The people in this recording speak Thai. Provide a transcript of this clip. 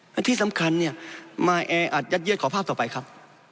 และที่สำคัญเนี่ยมาแออัดยัดเย็ดขอภาพต่อไปครับ